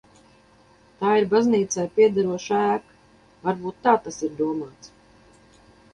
Tā ir baznīcai piederoša ēka, varbūt tā tas ir domāts.